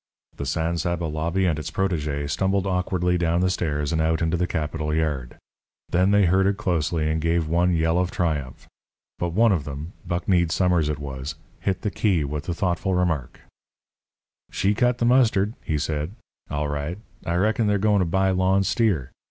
The San Saba lobby and its protégé stumbled awkwardly down the stairs and out into the Capitol yard. Then they herded closely and gave one yell of triumph. But one of them Buck Kneed Summers it was hit the key with the thoughtful remark: "She cut the mustard," he said, "all right. I reckon they're goin' to buy Lon's steer.